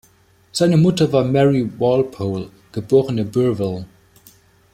Seine Mutter war Mary Walpole, geborene Burwell.